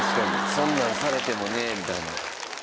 そんなんされてもねみたいな。